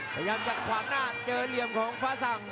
พยายามจะขวางหน้าเจอเหลี่ยมของฟ้าสั่ง